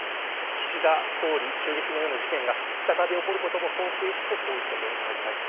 岸田総理襲撃のような事件が再び起こることも想定してこういった厳戒態勢。